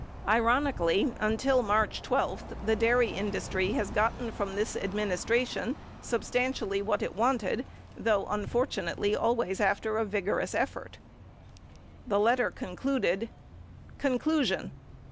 Ironically, until March 12, the dairy industry has gotten from this Administration sub stantially what it wanted although, unfortunately, always after a vigorous effort. The letter concluded : Conclusion.